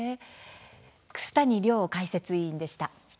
楠谷遼解説委員でした。